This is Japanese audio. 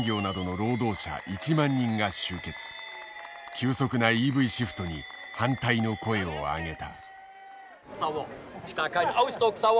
急速なＥＶシフトに反対の声を上げた。